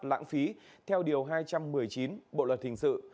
lãng phí theo điều hai trăm một mươi chín bộ luật hình sự